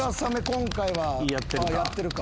今回はやってるか。